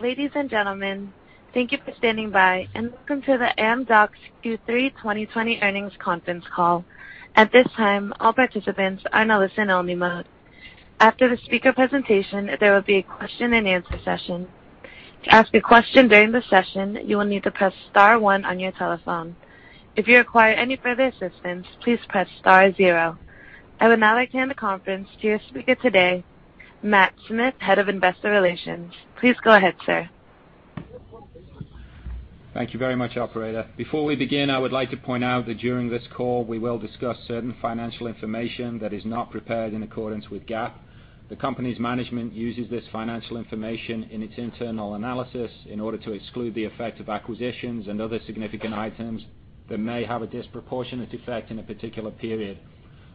Ladies and gentlemen, thank you for standing by, and welcome to the Amdocs Q3 2020 earnings conference call. At this time, all participants are in a listen-only mode. After the speaker presentation, there will be a question and answer session. To ask a question during the session, you will need to press star one on your telephone. If you require any further assistance, please press star zero. I would now like to hand the conference to your speaker today, Matthew Smith, Head of Investor Relations. Please go ahead, sir. Thank you very much, operator. Before we begin, I would like to point out that during this call, we will discuss certain financial information that is not prepared in accordance with GAAP. The company's management uses this financial information in its internal analysis in order to exclude the effect of acquisitions and other significant items that may have a disproportionate effect in a particular period.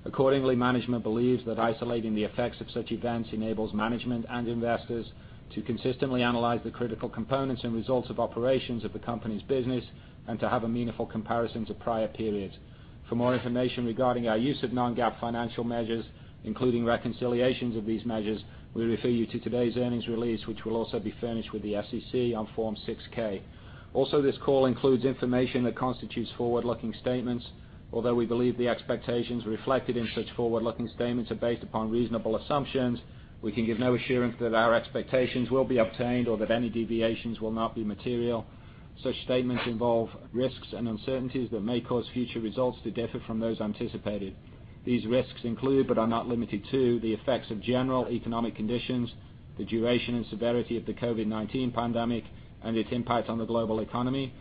Accordingly, management believes that isolating the effects of such events enables management and investors to consistently analyze the critical components and results of operations of the company's business and to have a meaningful comparison to prior periods. For more information regarding our use of non-GAAP financial measures, including reconciliations of these measures, we refer you to today's earnings release, which will also be furnished with the SEC on Form 6-K. Also, this call includes information that constitutes forward-looking statements. Although we believe the expectations reflected in such forward-looking statements are based upon reasonable assumptions, we can give no assurance that our expectations will be obtained or that any deviations will not be material. Such statements involve risks and uncertainties that may cause future results to differ from those anticipated. These risks include, but are not limited to, the effects of general economic conditions, the duration and severity of the COVID-19 pandemic and its impact on the global economy,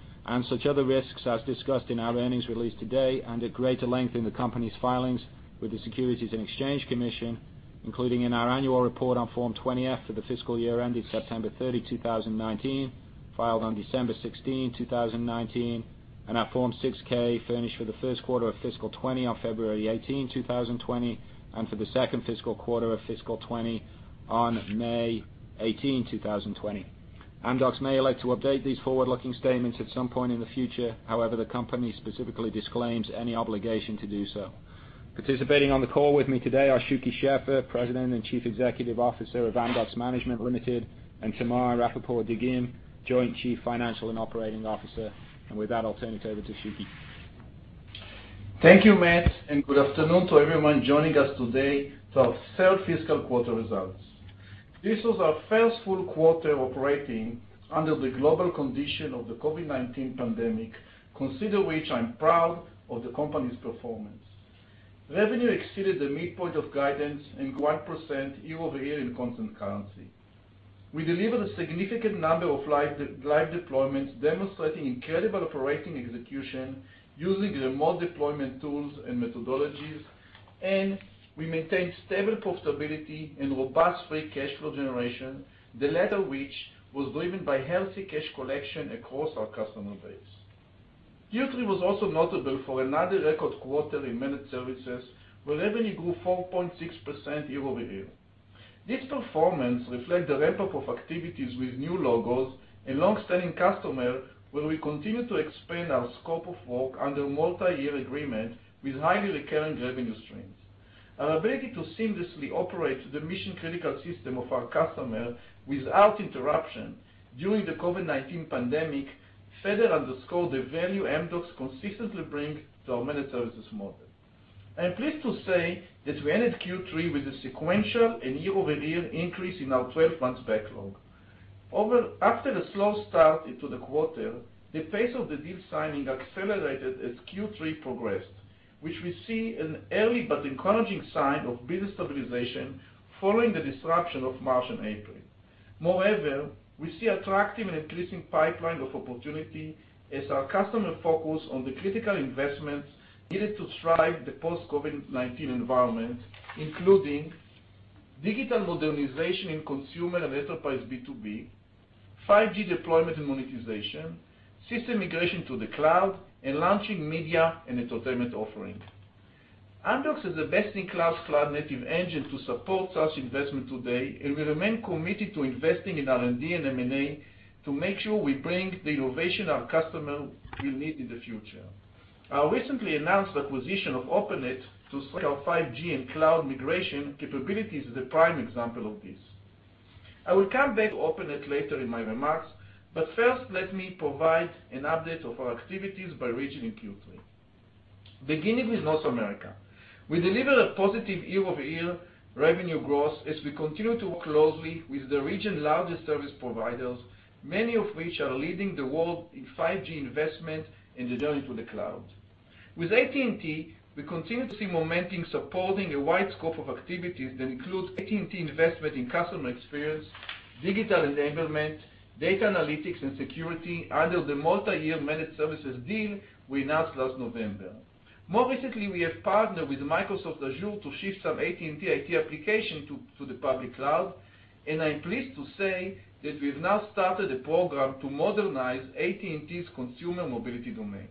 such other risks as discussed in our earnings released today and at greater length in the company's filings with the Securities and Exchange Commission, including in our annual report on Form 20-F for the fiscal year ended September 30, 2019, filed on December 16, 2019, and our Form 6-K furnished for the first quarter of fiscal 2020 on February 18, 2020, and for the second fiscal quarter of fiscal 2020 on May 18, 2020. Amdocs may elect to update these forward-looking statements at some point in the future. However, the company specifically disclaims any obligation to do so. Participating on the call with me today are Shuky Sheffer, President and Chief Executive Officer of Amdocs Management Limited, and Tamar Rapaport-Dagim, Joint Chief Financial and Operating Officer. With that, I'll turn it over to Shuky. Thank you, Matt, and good afternoon to everyone joining us today for our third fiscal quarter results. This was our first full quarter operating under the global condition of the COVID-19 pandemic, considering which I'm proud of the company's performance. Revenue exceeded the midpoint of guidance and grew 1% year-over-year in constant currency. We delivered a significant number of live deployments, demonstrating incredible operating execution using remote deployment tools and methodologies, and we maintained stable profitability and robust free cash flow generation, the latter which was driven by healthy cash collection across our customer base. Q3 was also notable for another record quarter in managed services, where revenue grew 4.6% year-over-year. This performance reflects the ramp-up of activities with new logos and longstanding customers, where we continue to expand our scope of work under multi-year agreement with highly recurring revenue streams. Our ability to seamlessly operate the mission-critical system of our customer without interruption during the COVID-19 pandemic further underscores the value Amdocs consistently brings to our managed services model. I am pleased to say that we ended Q3 with a sequential and year-over-year increase in our 12-month backlog. After a slow start into the quarter, the pace of the deal signing accelerated as Q3 progressed, which we see an early but encouraging sign of business stabilization following the disruption of March and April. Moreover, we see attractive and increasing pipeline of opportunity as our customer focus on the critical investments needed to thrive the post-COVID-19 environment, including digital modernization in consumer and enterprise B2B, 5G deployment and monetization, system migration to the cloud, and launching media and entertainment offering. Amdocs is investing cloud-native engine to support such investment today and will remain committed to investing in R&D and M&A to make sure we bring the innovation our customer will need in the future. Our recently announced acquisition of Openet to scale 5G and cloud migration capabilities is the prime example of this. First, I will come back to Openet later in my remarks, let me provide an update of our activities by region in Q3. Beginning with North America, we delivered a positive year-over-year revenue growth as we continue to work closely with the region's largest service providers, many of which are leading the world in 5G investment and the journey to the cloud. With AT&T, we continue to see momentum supporting a wide scope of activities that includes AT&T investment in customer experience, digital enablement, data analytics, and security under the multi-year managed services deal we announced last November. More recently, we have partnered with Microsoft Azure to shift some AT&T IT applications to the public cloud. I'm pleased to say that we've now started a program to modernize AT&T's consumer mobility domain.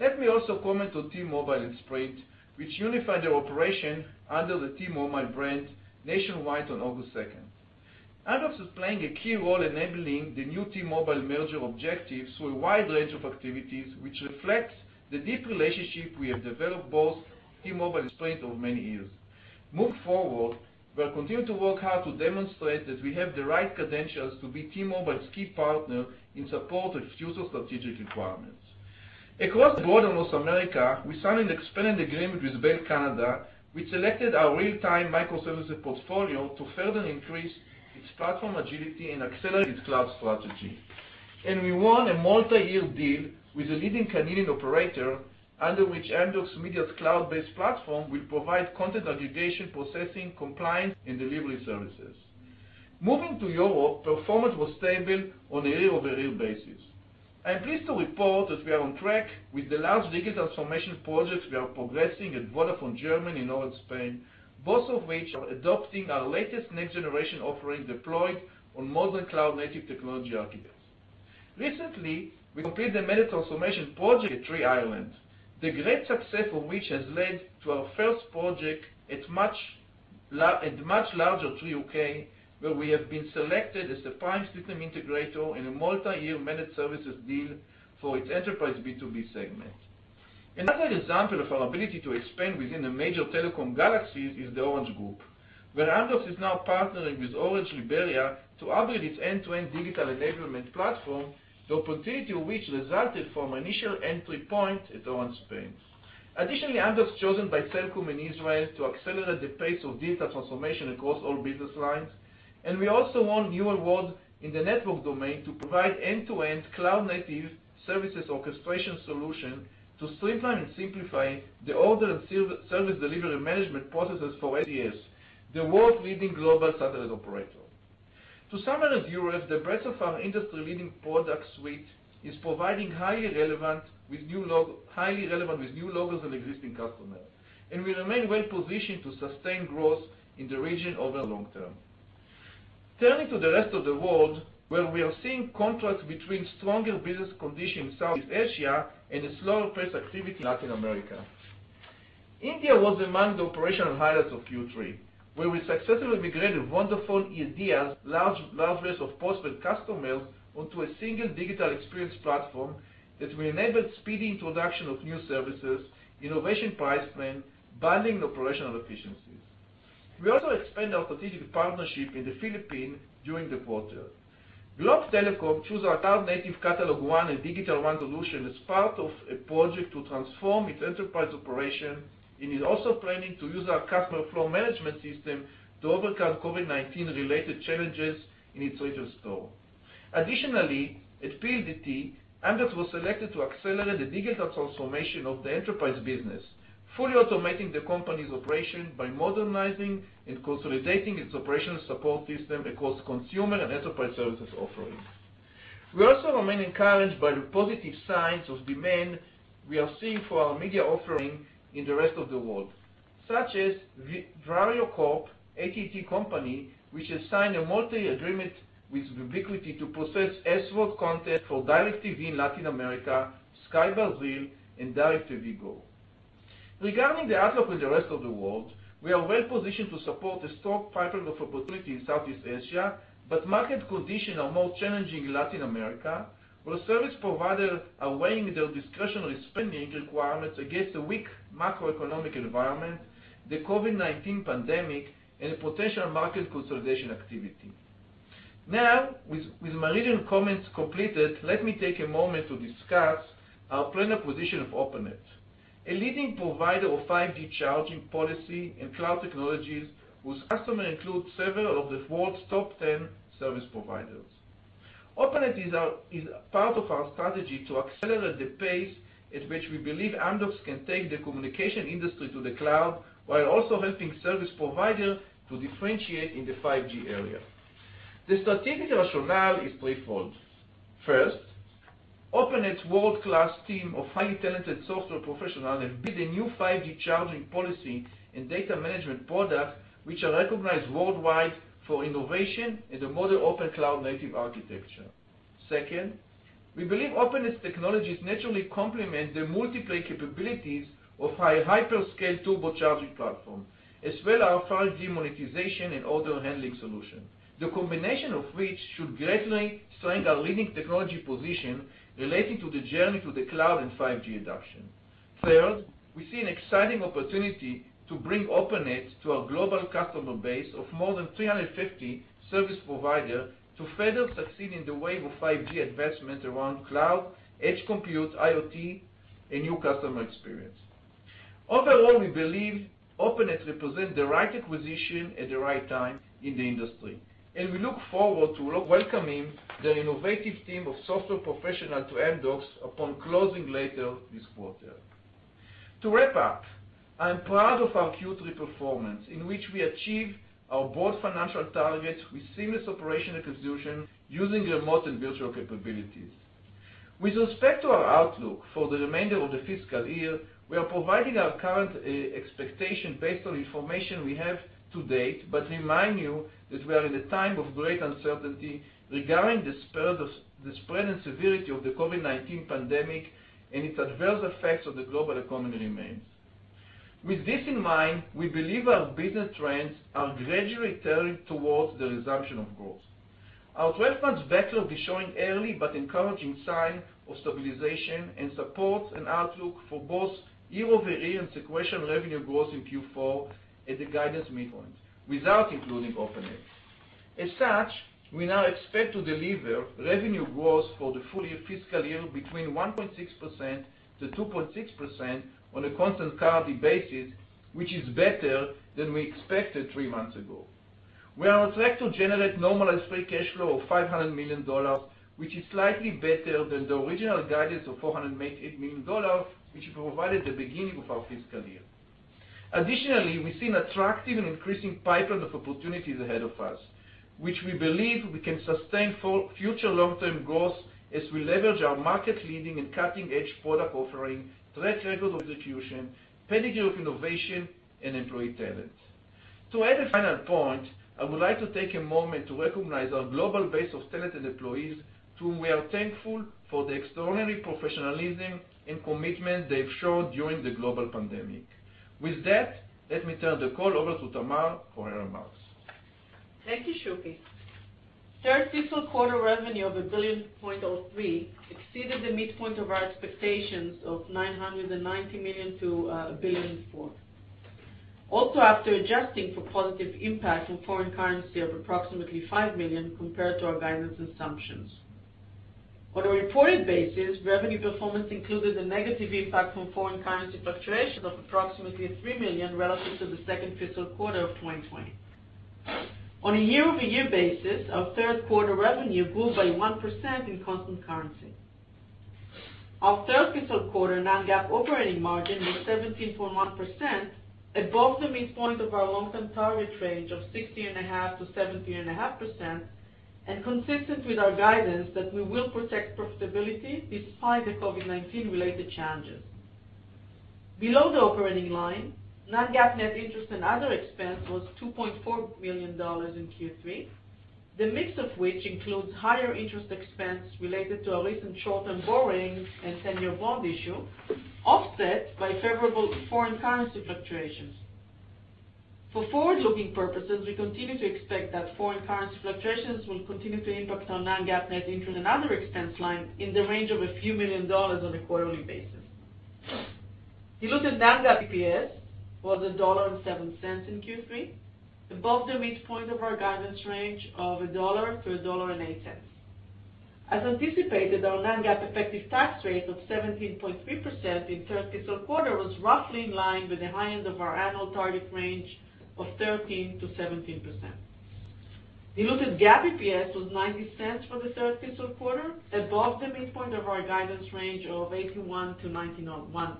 Let me also comment on T-Mobile and Sprint, which unified their operation under the T-Mobile brand nationwide on August 2nd. Amdocs is playing a key role enabling the new T-Mobile merger objectives through a wide range of activities, which reflects the deep relationship we have developed, both T-Mobile and Sprint, over many years. Moving forward, we'll continue to work hard to demonstrate that we have the right credentials to be T-Mobile's key partner in support of future strategic requirements. Across the board in North America, we signed an expanded agreement with Bell Canada, which selected our real-time microservices portfolio to further increase its platform agility and accelerate its cloud strategy. We won a multi-year deal with a leading Canadian operator, under which Amdocs Media's cloud-based platform will provide content aggregation, processing, compliance, and delivery services. Moving to Europe, performance was stable on a year-over-year basis. I am pleased to report that we are on track with the large digital transformation projects we are progressing at Vodafone Germany and Orange España, both of which are adopting our latest next-generation offering deployed on modern cloud-native technology architecture. Recently, we completed a major transformation project at Three Ireland, the great success of which has led to our first project at much larger Three U.K., where we have been selected as the prime system integrator in a multi-year managed services deal for its enterprise B2B segment. Another example of our ability to expand within the major telecom galaxies is the Orange Group, where Amdocs is now partnering with Orange Liberia to upgrade its end-to-end digital enablement platform, the opportunity which resulted from initial entry point at Orange Spain. Additionally, Amdocs chosen by Cellcom in Israel to accelerate the pace of digital transformation across all business lines, and we also won new awards in the network domain to provide end-to-end cloud-native services orchestration solution to streamline and simplify the order and service delivery management processes for SES, the world-leading global satellite operator. To summarize Europe, the breadth of our industry-leading product suite is proving highly relevant with new logos and existing customers. We remain well positioned to sustain growth in the region over the long-term. Turning to the rest of the world, where we are seeing contrasts between stronger business conditions in Southeast Asia and a slower pace activity in Latin America. India was among the operational highlights of Q3, where we successfully migrated Vodafone Idea's large numbers of postpaid customers onto a single digital experience platform that will enable speedy introduction of new services, innovation price plan, driving operational efficiencies. We also expand our strategic partnership in the Philippines during the quarter. Globe Telecom choose our cloud-native CatalogONE and DigitalONE solution as part of a project to transform its enterprise operation, and is also planning to use our customer flow management system to overcome COVID-19 related challenges in its retail store. At PLDT, Amdocs was selected to accelerate the digital transformation of the enterprise business, fully automating the company's operation by modernizing and consolidating its operational support system across consumer and enterprise services offerings. We also remain encouraged by the positive signs of demand we are seeing for our media offering in the rest of the world, such as Vrio Corp, AT&T company, which has signed a multi-year agreement with Vubiquity to process SVOD content for DIRECTV in Latin America, Sky Brazil, and DIRECTV Go. Regarding the outlook for the rest of the world, we are well positioned to support the strong pipeline of opportunity in Southeast Asia, but market conditions are more challenging in Latin America, where service providers are weighing their discretionary spending requirements against a weak macroeconomic environment, the COVID-19 pandemic, and a potential market consolidation activity. Now, with my regional comments completed, let me take a moment to discuss our planned acquisition of Openet, a leading provider of 5G charging policy and cloud technologies, whose customers include several of the world's top 10 service providers. Openet is part of our strategy to accelerate the pace at which we believe Amdocs can take the communication industry to the cloud, while also helping service providers to differentiate in the 5G area. The strategic rationale is threefold. First, Openet's world-class team of highly talented software professionals have built a new 5G charging policy and data management product, which are recognized worldwide for innovation and a modern open cloud-native architecture. Second, we believe Openet's technologies naturally complement the multi-play capabilities of our hyperscale turbocharging platform, as well our 5G monetization and order handling solution. The combination of which should greatly strengthen our leading technology position relating to the journey to the cloud and 5G adoption. Third, we see an exciting opportunity to bring Openet to our global customer base of more than 350 service providers to further succeed in the wave of 5G advancement around cloud, edge compute, IoT, and new customer experience. Overall, we believe Openet represents the right acquisition at the right time in the industry, and we look forward to welcoming their innovative team of software professionals to Amdocs upon closing later this quarter. To wrap up, I am proud of our Q3 performance, in which we achieved our broad financial targets with seamless operation and execution using remote and virtual capabilities. With respect to our outlook for the remainder of the fiscal year, we are providing our current expectation based on information we have to date, but remind you that we are in a time of great uncertainty regarding the spread and severity of the COVID-19 pandemic and its adverse effects on the global economy remains. With this in mind, we believe our business trends are gradually turning towards the resumption of growth. Our 12-month backlog is showing early but encouraging signs of stabilization and supports an outlook for both year-over-year and sequential revenue growth in Q4 at the guidance midpoint, without including Openet. As such, we now expect to deliver revenue growth for the full fiscal year between 1.6%-2.6% on a constant currency basis, which is better than we expected three months ago. We are on track to generate normalized free cash flow of $500 million, which is slightly better than the original guidance of $488 million, which we provided at the beginning of our fiscal year. Additionally, we see an attractive and increasing pipeline of opportunities ahead of us, which we believe we can sustain for future long-term growth as we leverage our market-leading and cutting-edge product offering, track record of execution, pedigree of innovation, and employee talent. To add a final point, I would like to take a moment to recognize our global base of talented employees, to whom we are thankful for the extraordinary professionalism and commitment they've shown during the global pandemic. With that, let me turn the call over to Tamar for her remarks. Thank you, Shuky. Third fiscal quarter revenue of $1.03 billion exceeded the midpoint of our expectations of $990 million-$1.04 billion. After adjusting for positive impact in foreign currency of approximately $5 million compared to our guidance assumptions. On a reported basis, revenue performance included a negative impact from foreign currency fluctuations of approximately $3 million relative to the second fiscal quarter of 2020. On a year-over-year basis, our third quarter revenue grew by 1% in constant currency. Our third fiscal quarter non-GAAP operating margin was 17.1%, above the midpoint of our long-term target range of 16.5%-17.5%, and consistent with our guidance that we will protect profitability despite the COVID-19-related challenges. Below the operating line, non-GAAP net interest and other expense was $2.4 million in Q3, the mix of which includes higher interest expense related to our recent short-term borrowings and 10-year bond issue, offset by favorable foreign currency fluctuations. For forward-looking purposes, we continue to expect that foreign currency fluctuations will continue to impact our non-GAAP net interest and other expense line in the range of a few million dollars on a quarterly basis. Diluted non-GAAP EPS was $1.07 in Q3, above the midpoint of our guidance range of $1-$1.08. As anticipated, our non-GAAP effective tax rate of 17.3% in the third fiscal quarter was roughly in line with the high end of our annual target range of 13%-17%. Diluted GAAP EPS was $0.90 for the third fiscal quarter, above the midpoint of our guidance range of $0.81-$0.91.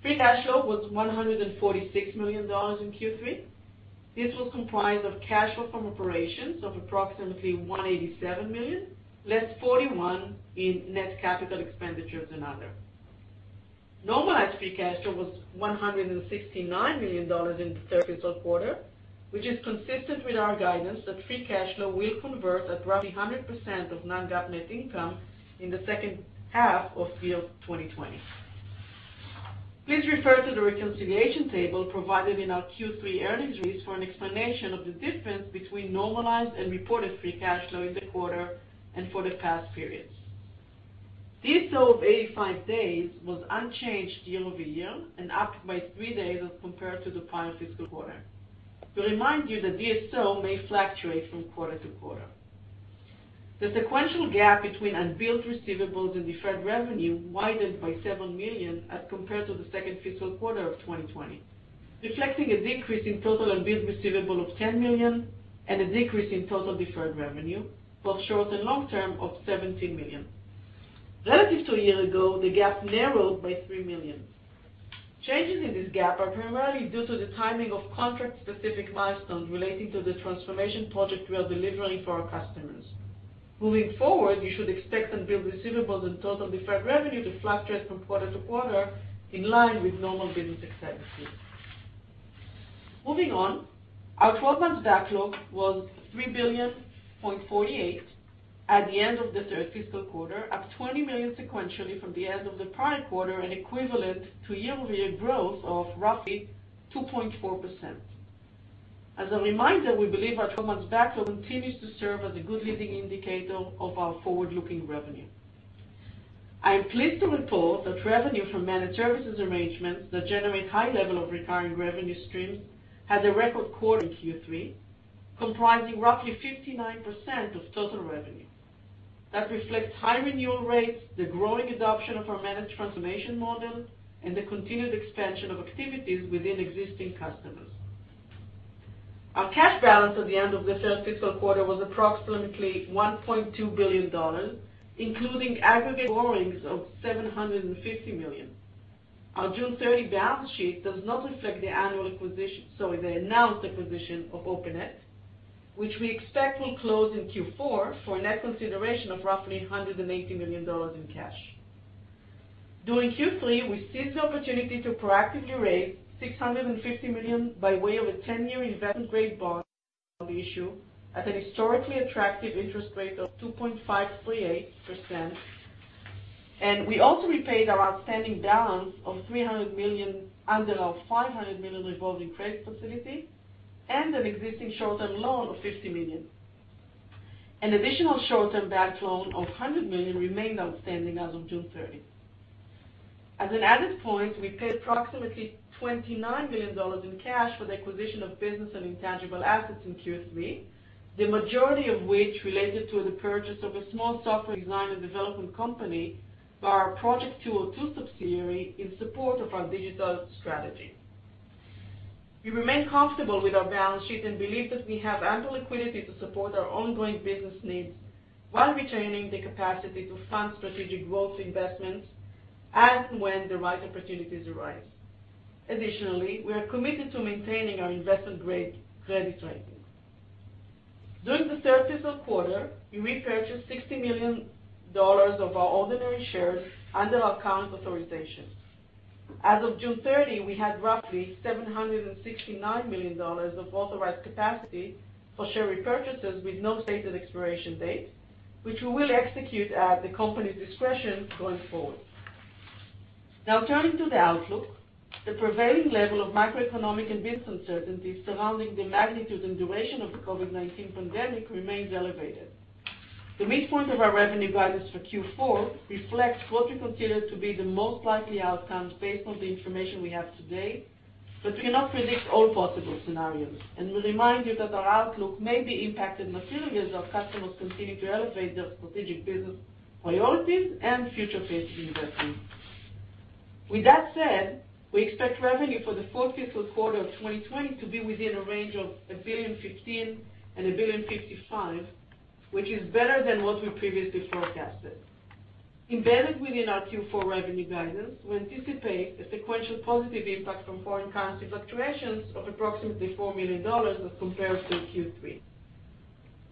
Free cash flow was $146 million in Q3. This was comprised of cash flow from operations of approximately $187 million, less $41 million in net capital expenditures and other. Normalized free cash flow was $169 million in the third fiscal quarter, which is consistent with our guidance that free cash flow will convert at roughly 100% of non-GAAP net income in the second half of fiscal 2020. Please refer to the reconciliation table provided in our Q3 earnings release for an explanation of the difference between normalized and reported free cash flow in the quarter and for the past periods. DSO of 85 days was unchanged year-over-year and up by three days as compared to the prior fiscal quarter. To remind you, the DSO may fluctuate from quarter-to-quarter. The sequential gap between unbilled receivables and deferred revenue widened by $7 million as compared to the second fiscal quarter of 2020, reflecting a decrease in total unbilled receivable of $10 million and a decrease in total deferred revenue, both short and long-term, of $17 million. Relative to a year ago, the gap narrowed by $3 million. Changes in this gap are primarily due to the timing of contract-specific milestones relating to the transformation project we are delivering for our customers. Moving forward, you should expect unbilled receivables and total deferred revenue to fluctuate from quarter to quarter in line with normal business activities. Moving on, our 12-month backlog was $3.48 billion at the end of the third fiscal quarter, up $20 million sequentially from the end of the prior quarter, and equivalent to year-over-year growth of roughly 2.4%. As a reminder, we believe our 12-month backlog continues to serve as a good leading indicator of our forward-looking revenue. I am pleased to report that revenue from managed services arrangements that generate high levels of recurring revenue streams had a record quarter in Q3, comprising roughly 59% of total revenue. That reflects high renewal rates, the growing adoption of our managed transformation model, and the continued expansion of activities within existing customers. Our cash balance at the end of the third fiscal quarter was approximately $1.2 billion, including aggregate borrowings of $750 million. Our June 30 balance sheet does not reflect the announced acquisition of Openet, which we expect will close in Q4 for a net consideration of roughly $180 million in cash. During Q3, we seized the opportunity to proactively raise $650 million by way of a 10-year investment-grade bond, the issue at an historically attractive interest rate of 2.538%. We also repaid our outstanding balance of $300 million under our $500 million revolving credit facility, and an existing short-term loan of $50 million. An additional short-term debt loan of $100 million remained outstanding as of June 30th. As an added point, we paid approximately $29 million in cash for the acquisition of business and intangible assets in Q3, the majority of which related to the purchase of a small software design and development company by our projekt202 subsidiary in support of our digital strategy. We remain comfortable with our balance sheet and believe that we have ample liquidity to support our ongoing business needs while retaining the capacity to fund strategic growth investments as and when the right opportunities arise. Additionally, we are committed to maintaining our investment-grade credit rating. During the third fiscal quarter, we repurchased $60 million of our ordinary shares under our current authorization. As of June 30, we had roughly $769 million of authorized capacity for share repurchases with no stated expiration date, which we will execute at the company's discretion going forward. Now turning to the outlook. The prevailing level of macroeconomic and business uncertainty surrounding the magnitude and duration of the COVID-19 pandemic remains elevated. The midpoint of our revenue guidance for Q4 reflects what we consider to be the most likely outcomes based on the information we have today, but we cannot predict all possible scenarios, and we remind you that our outlook may be impacted materially as our customers continue to elevate their strategic business priorities and future-facing investments. With that said, we expect revenue for the fourth fiscal quarter of 2020 to be within a range of $1.015 billion and $1.055 billion, which is better than what we previously forecasted. Embedded within our Q4 revenue guidance, we anticipate a sequential positive impact from foreign currency fluctuations of approximately $4 million as compared to Q3.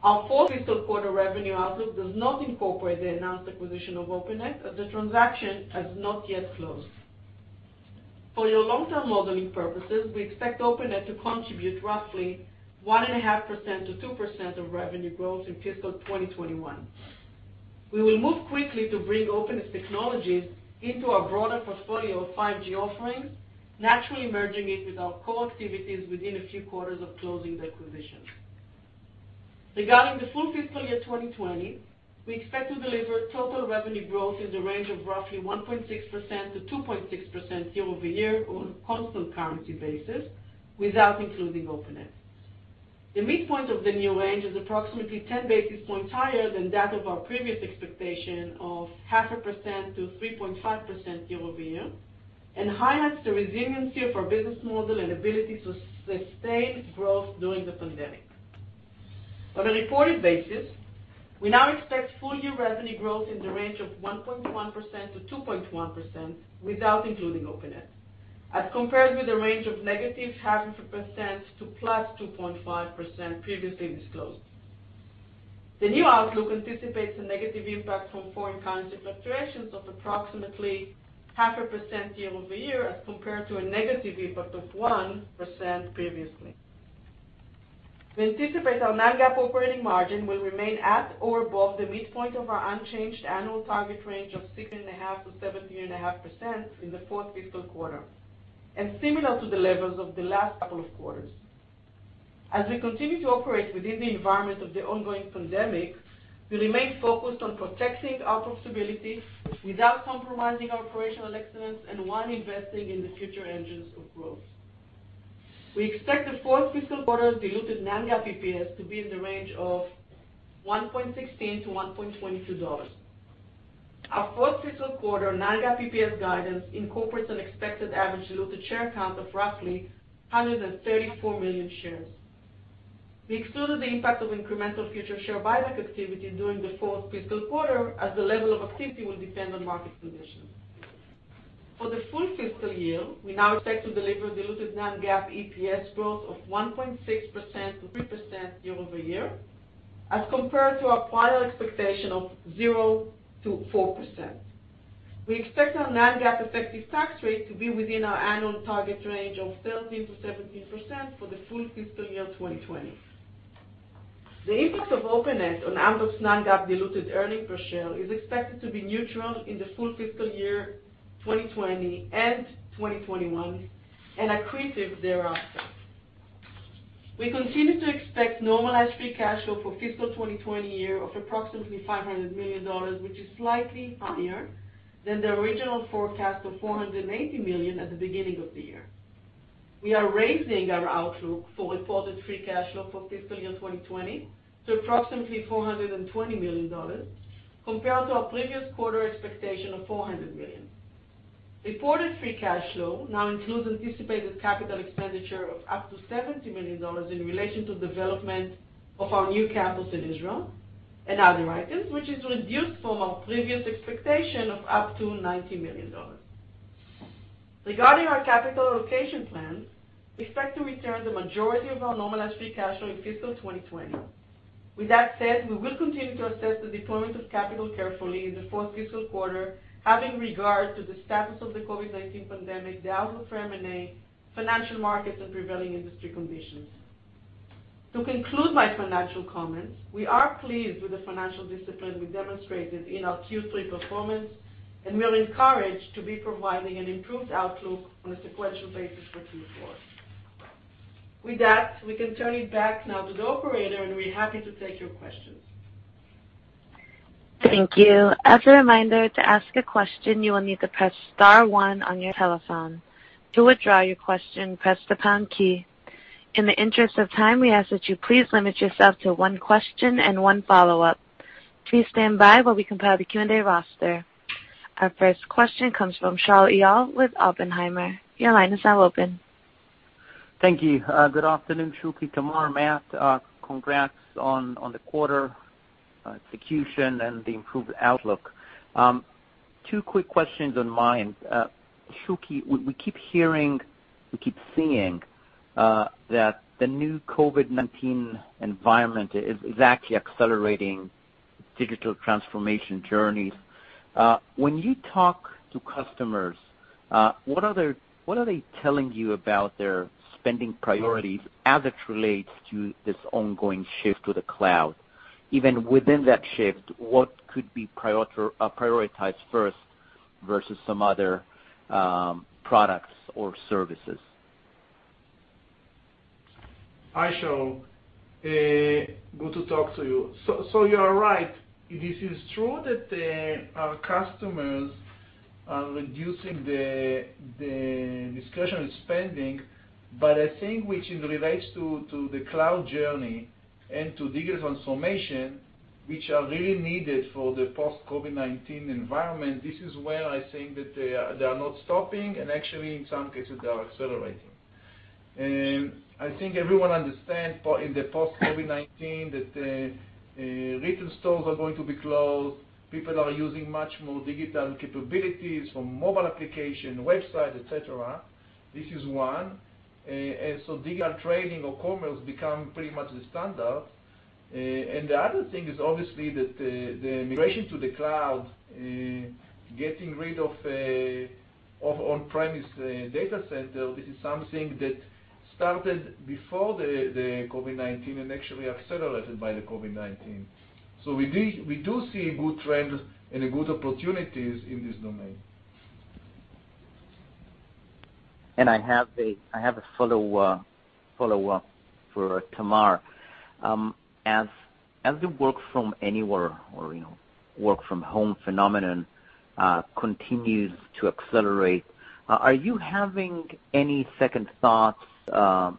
Our fourth fiscal quarter revenue outlook does not incorporate the announced acquisition of Openet, as the transaction has not yet closed. For your long-term modeling purposes, we expect Openet to contribute roughly 1.5%-2% of revenue growth in fiscal 2021. We will move quickly to bring Openet's technologies into our broader portfolio of 5G offerings, naturally merging it with our core activities within a few quarters of closing the acquisition. Regarding the full fiscal year 2020, we expect to deliver total revenue growth in the range of roughly 1.6%-2.6% year-over-year on a constant currency basis, without including Openet. The midpoint of the new range is approximately 10 basis points higher than that of our previous expectation of 0.5%-3.5% year-over-year, and highlights the resiliency of our business model and ability to sustain growth during the pandemic. On a reported basis, we now expect full-year revenue growth in the range of 1.1%-2.1% without including Openet, as compared with a range of -0.5% to +2.5% previously disclosed. The new outlook anticipates a negative impact from foreign currency fluctuations of approximately 0.5% year-over-year as compared to a negative impact of 1% previously. We anticipate our non-GAAP operating margin will remain at or above the midpoint of our unchanged annual target range of 6.5%-17.5% in the fourth fiscal quarter, and similar to the levels of the last couple of quarters. As we continue to operate within the environment of the ongoing pandemic, we remain focused on protecting our profitability without compromising our operational excellence and while investing in the future engines of growth. We expect the fourth fiscal quarter diluted non-GAAP EPS to be in the range of $1.16-$1.22. Our fourth fiscal quarter non-GAAP EPS guidance incorporates an expected average diluted share count of roughly 134 million shares. We excluded the impact of incremental future share buyback activity during the fourth fiscal quarter as the level of activity will depend on market conditions. For the full fiscal year, we now expect to deliver diluted non-GAAP EPS growth of 1.6%-3% year-over-year as compared to our prior expectation of 0%-4%. We expect our non-GAAP effective tax rate to be within our annual target range of 13%-17% for the full fiscal year 2020. The impact of Openet on Amdocs non-GAAP diluted earnings per share is expected to be neutral in the full fiscal year 2020 and 2021, and accretive thereafter. We continue to expect normalized free cash flow for fiscal year 2020 of approximately $500 million, which is slightly higher than the original forecast of $480 million at the beginning of the year. We are raising our outlook for reported free cash flow for fiscal year 2020 to approximately $420 million, compared to our previous quarter expectation of $400 million. Reported free cash flow now includes anticipated capital expenditure of up to $70 million in relation to development of our new campus in Israel and other items, which is reduced from our previous expectation of up to $90 million. Regarding our capital allocation plans, we expect to return the majority of our normalized free cash flow in fiscal 2020. With that said, we will continue to assess the deployment of capital carefully in the fourth fiscal quarter, having regard to the status of the COVID-19 pandemic, the outlook for M&A, financial markets, and prevailing industry conditions. To conclude my financial comments, we are pleased with the financial discipline we demonstrated in our Q3 performance. We are encouraged to be providing an improved outlook on a sequential basis for Q4. With that, we can turn it back now to the operator. We're happy to take your questions. Thank you. As a reminder, to ask a question, you will need to press star one on your telephone. To withdraw your question, press the pound key. In the interest of time, we ask that you please limit yourself to one question and one follow-up. Please stand by while we compile the Q&A roster. Our first question comes from Shaul Eyal with Oppenheimer. Your line is now open. Thank you. Good afternoon, Shuky, Tamar, Matt. Congrats on the quarter execution and the improved outlook. Two quick questions on mind. Shuky, we keep hearing, we keep seeing that the new COVID-19 environment is actually accelerating digital transformation journeys. When you talk to customers, what are they telling you about their spending priorities as it relates to this ongoing shift to the cloud? Even within that shift, what could be prioritized first versus some other products or services? Hi, Shaul. Good to talk to you. You are right. This is true that our customers are reducing the discretionary spending. I think, which relates to the cloud journey and to digital transformation, which are really needed for the post-COVID-19 environment, this is where I think that they are not stopping, and actually, in some cases, they are accelerating. I think everyone understands in the post-COVID-19 that retail stores are going to be closed. People are using much more digital capabilities, from mobile application, website, et cetera. This is one. Digital trading or commerce become pretty much the standard. The other thing is obviously that the migration to the cloud, getting rid of on-premise data center, this is something that started before the COVID-19 and actually accelerated by the COVID-19. We do see good trends and good opportunities in this domain. I have a follow-up for Tamar. As the work from anywhere or work from home phenomenon continues to accelerate, are you having any second thoughts,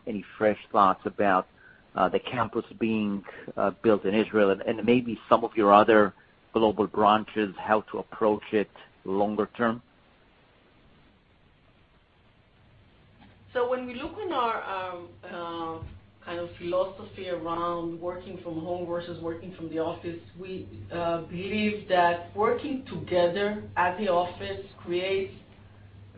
any fresh thoughts about the campus being built in Israel and maybe some of your other global branches, how to approach it longer-term? When we look on our philosophy around working from home versus working from the office, we believe that working together at the office creates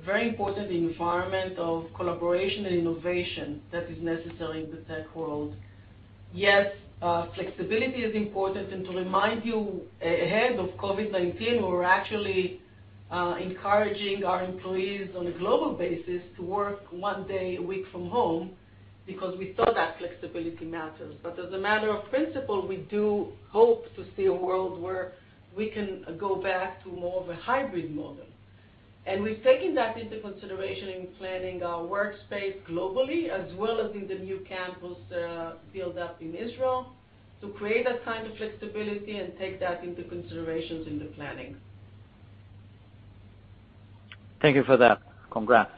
a very important environment of collaboration and innovation that is necessary in the tech world. Yes, flexibility is important, and to remind you, ahead of COVID-19, we were actually encouraging our employees on a global basis to work one day a week from home because we thought that flexibility matters. As a matter of principle, we do hope to see a world where we can go back to more of a hybrid model. We've taken that into consideration in planning our workspace globally, as well as in the new campus build-up in Israel, to create that kind of flexibility and take that into considerations in the planning. Thank you for that. Congrats.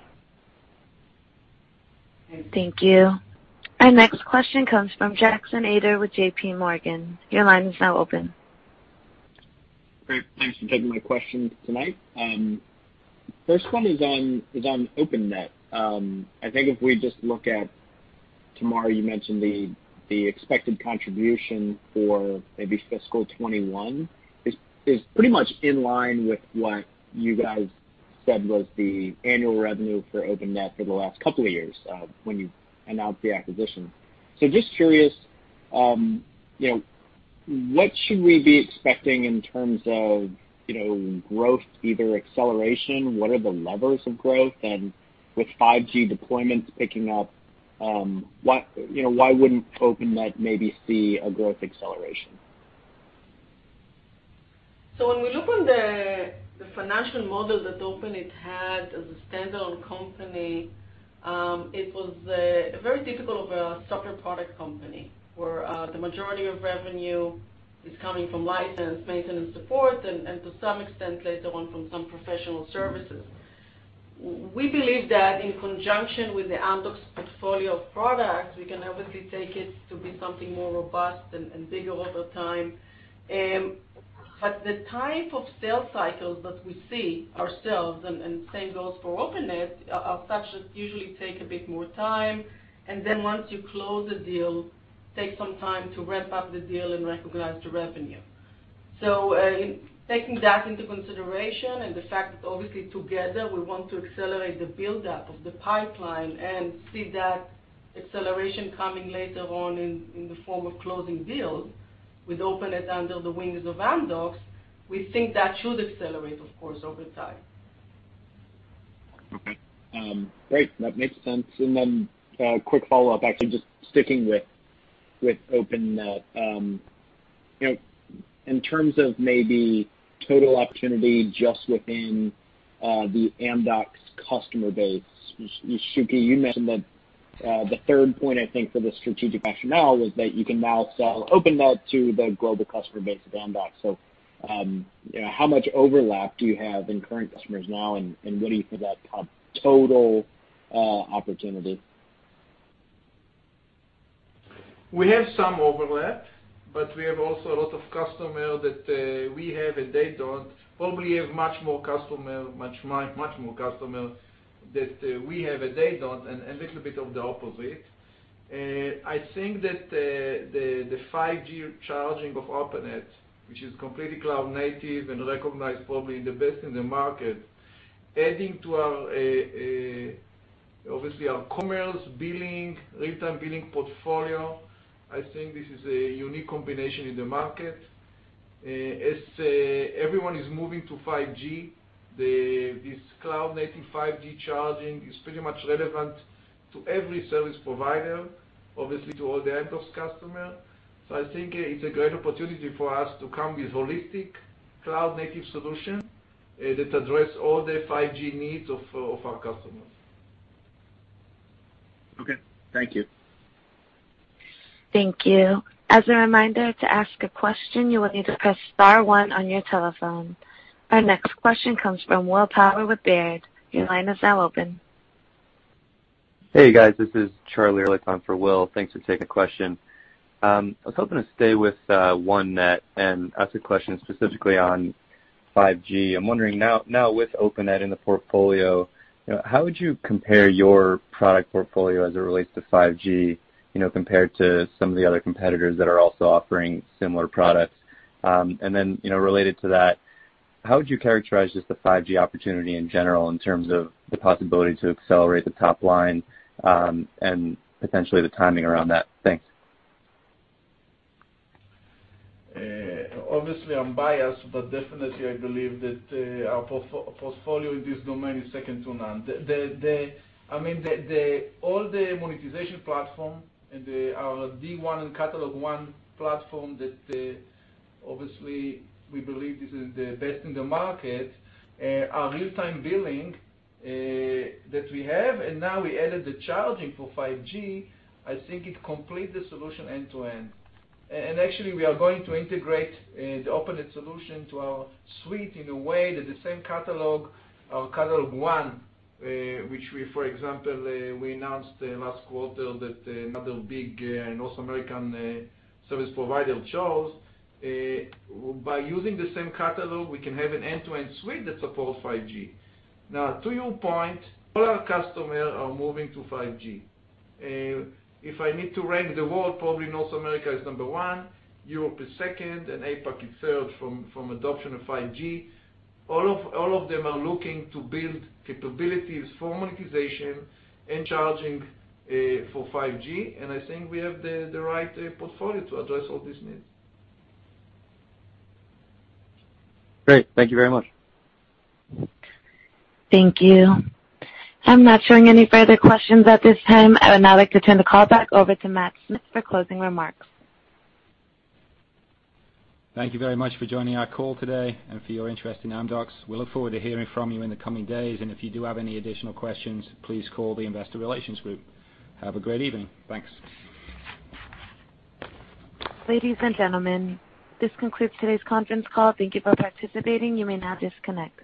Thank you. Our next question comes from Jackson Ader with JPMorgan. Your line is now open. Great. Thanks for taking my questions tonight. First one is on Openet. I think if we just look at, Tamar, you mentioned the expected contribution for maybe fiscal 2021 is pretty much in line with what you guys said was the annual revenue for Openet for the last couple of years, when you announced the acquisition. Just curious, what should we be expecting in terms of growth, either acceleration, what are the levers of growth? With 5G deployments picking up, why wouldn't Openet maybe see a growth acceleration? When we look on the financial model that Openet had as a standalone company, it was a very typical of a software product company, where the majority of revenue is coming from license, maintenance, and support, and to some extent, later on, from some professional services. We believe that in conjunction with the Amdocs portfolio of products, we can obviously take it to be something more robust and bigger over time. The type of sales cycles that we see ourselves, and same goes for Openet, are such that usually take a bit more time, and then once you close the deal, take some time to ramp up the deal and recognize the revenue. Taking that into consideration and the fact that obviously together we want to accelerate the build-up of the pipeline and see that acceleration coming later on in the form of closing deals, with Openet under the wings of Amdocs, we think that should accelerate, of course, over time. Okay. Great. That makes sense. Then a quick follow-up, actually, just sticking with Openet. In terms of maybe total opportunity just within the Amdocs customer base, Shuky, you mentioned that the third point, I think, for the strategic rationale was that you can now sell Openet to the global customer base of Amdocs. How much overlap do you have in current customers now, and what do you see that total opportunity? We have some overlap, we have also a lot of customers that we have, and they don't. Probably have much more customers that we have, and they don't, and a little bit of the opposite. I think that the 5G charging of Openet, which is completely cloud-native and recognized probably the best in the market, adding to, obviously, our commerce billing, real-time billing portfolio, I think this is a unique combination in the market. As everyone is moving to 5G, this cloud-native 5G charging is pretty much relevant to every service provider, obviously to all the Amdocs customers. I think it's a great opportunity for us to come with holistic cloud-native solution that address all the 5G needs of our customers. Okay. Thank you. Thank you. As a reminder, to ask a question, you will need to press star one on your telephone. Our next question comes from William Power with Baird. Your line is now open. Hey, guys, this is Charlie Erlikh on for Will. Thanks for taking the question. I was hoping to stay with Openet and ask a question specifically on 5G. I'm wondering now with Openet in the portfolio, how would you compare your product portfolio as it relates to 5G, compared to some of the other competitors that are also offering similar products? Related to that, how would you characterize just the 5G opportunity in general in terms of the possibility to accelerate the top line, and potentially the timing around that? Thanks. Obviously, I'm biased, but definitely I believe that our portfolio in this domain is second to none. All the monetization platform and our RevenueONE and CatalogONE platform that obviously we believe this is the best in the market, our real-time billing, that we have, and now we added the charging for 5G, I think it completes the solution end to end. Actually, we are going to integrate the Openet solution to our suite in a way that the same catalog, our CatalogONE, which we, for example, we announced last quarter that another big North American service provider chose. By using the same catalog, we can have an end-to-end suite that supports 5G. Now, to your point, all our customers are moving to 5G. If I need to rank the world, probably North America is number one, Europe is second, and APAC is third from adoption of 5G. All of them are looking to build capabilities for monetization and charging for 5G, and I think we have the right portfolio to address all these needs. Great. Thank you very much. Thank you. I'm not showing any further questions at this time. I would now like to turn the call back over to Matthew Smith for closing remarks. Thank you very much for joining our call today and for your interest in Amdocs. We look forward to hearing from you in the coming days, and if you do have any additional questions, please call the Investor Relations group. Have a great evening. Thanks. Ladies and gentlemen, this concludes today's conference call. Thank you for participating. You may now disconnect.